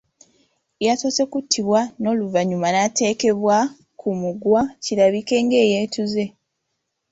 Yasoose kuttibwa n’oluvannyuma n’ateekebwa ku muguwa kirabike ng’eyeetuze.